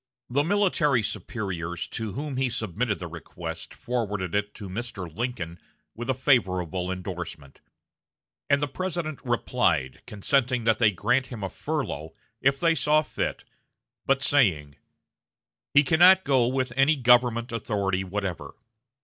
The military superiors to whom he submitted the request forwarded it to Mr. Lincoln with a favorable indorsement; and the President replied, consenting that they grant him a furlough, if they saw fit, but saying: "He cannot go with any government authority whatever.